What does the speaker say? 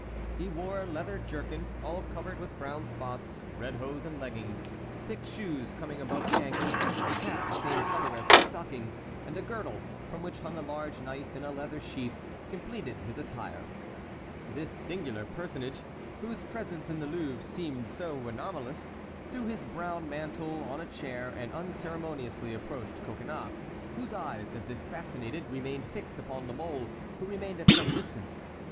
He wore a leather jerkin, all covered with brown spots; red hose and leggings, thick shoes coming above the ankle, a cap the same color as his stockings, and a girdle, from which hung a large knife in a leather sheaf, completed his attire. This singular personage, whose presence in the Louvre seemed so anomalous, threw his brown mantle on a chair and unceremoniously approached Coconnas, whose eyes, as if fascinated, remained fixed upon La Mole, who remained at some distance.